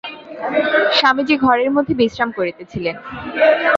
স্বামীজি ঘরের মধ্যে বিশ্রাম করিতেছিলেন।